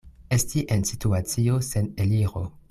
Esti en situacio sen eliro.